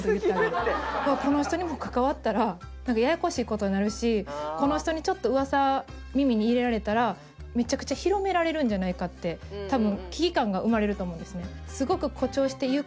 うわっこの人に関わったらなんかややこしい事になるしこの人にちょっと噂耳に入れられたらめちゃくちゃ広められるんじゃないかって多分危機感が生まれると思うんですね。